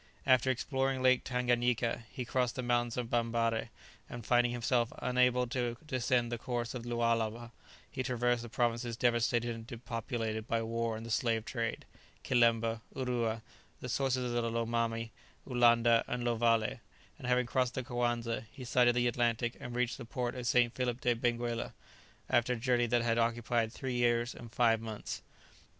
After exploring Lake Tanganyika he crossed the mountains of Bambarre, and finding himself unable to descend the course of the Lualaba, he traversed the provinces devastated and depopulated by war and the slave trade, Kilemba, Urua, the sources of the Lomami, Ulanda, and Lovalé, and having crossed the Coanza, he sighted the Atlantic and reached the port of St. Philip de Benguela, after a journey that had occupied three years and five months.